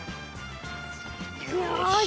よし。